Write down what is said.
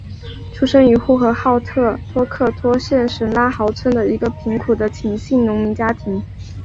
出生于呼和浩特市托克托县什拉毫村一个贫苦的秦姓农民家庭。